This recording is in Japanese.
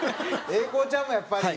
英孝ちゃんもやっぱり。